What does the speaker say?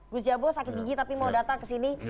gus jabo sakit gigi tapi mau datang kesini